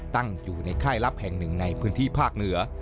ตั้งอยู่ในค่ายลับแห่งหนึ่งในพื้นที่ภาคเหนือ